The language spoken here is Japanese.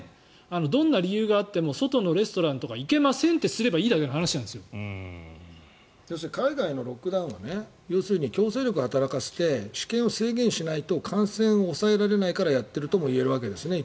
どんな理由があっても外のレストランとか行けませんと海外のロックダウンは強制力を働かせて私権を制限しないと感染を抑えられないからやってるんですね。